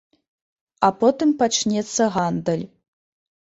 А потым пачнецца гандаль.